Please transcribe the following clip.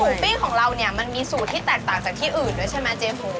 หมูปิ้งของเรามีสูตรที่แตกต่างจากที่อื่นด้วยใช่ไหมเจฮู